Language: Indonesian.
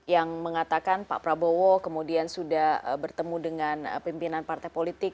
yang mengatakan pak prabowo kemudian sudah bertemu dengan pimpinan partai politik